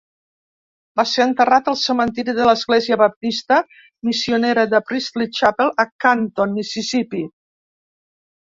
Va ser enterrat al cementiri de l'Església Baptista Missionera de Priestley Chapel, a Canton, Mississipí.